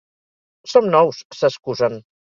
Som nous —s'excusen—.